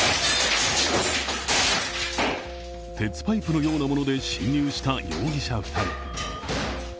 鉄パイプのようなもので侵入した容疑者２人。